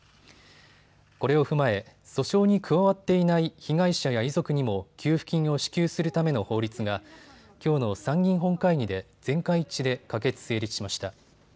これを踏まえ訴訟に加わっていない被害者や遺族にも給付金を支給するための法律がきょうの参議院本会議で全会一致で可決・成立しました。